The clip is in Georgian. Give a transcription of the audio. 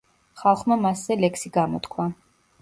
ხალხმა მასზე ლექსი გამოთქვა.